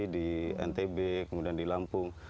di ntb kemudian di lampung